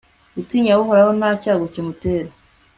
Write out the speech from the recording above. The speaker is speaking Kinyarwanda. utinya uhoraho, nta cyago kimutera